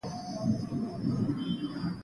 ازادي راډیو د د کانونو استخراج پرمختګ سنجولی.